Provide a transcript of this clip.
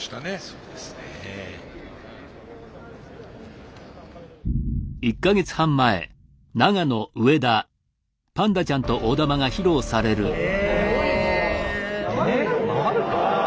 そうですね。え。